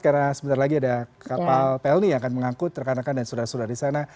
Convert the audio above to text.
karena sebentar lagi ada kapal pelni yang akan mengangkut rekan rekan dan surat surat di sana